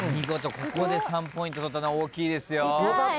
ここで３ポイント取ったのは大きいですよ。